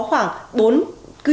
khoảng bốn cứ bốn trẻ